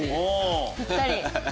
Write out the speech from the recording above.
ぴったり！